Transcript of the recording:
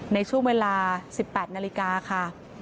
ในช่วงเวลา๑๘นาฬิกาค่ะ